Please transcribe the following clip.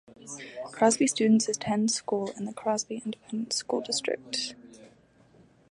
Crosby students attend school in the Crosby Independent School District.